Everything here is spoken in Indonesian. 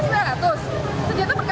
sejujurnya berkasnya belum ada